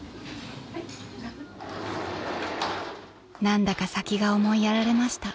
［何だか先が思いやられました］